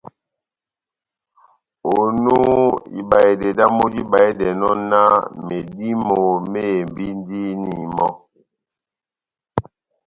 Onu, ibahedɛ dámu díbahedɛnɔ náh medímo mehembindini mɔ́,